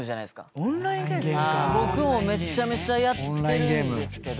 僕もめちゃめちゃやってるんですけど。